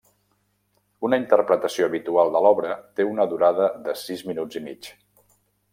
Una interpretació habitual de l'obra té una durada de sis minuts i mig.